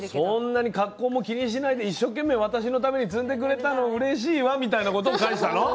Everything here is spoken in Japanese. そんなに格好も気にしないで一生懸命私のために摘んでくれたのうれしいわみたいなことを返したの？